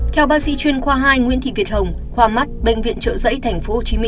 theo bác sĩ chuyên khoa hai nguyễn thị việt hồng khoa mắt bệnh viện trợ giấy tp hcm